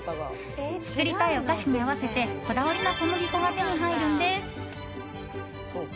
作りたいお菓子に合わせてこだわりの小麦粉が手に入るんです。